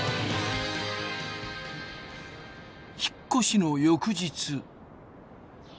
引っ越しの翌日。